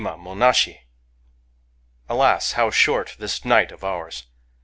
— ««Alas! how short this night of ours!